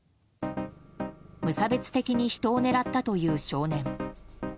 無差別的に人を狙ったという少年。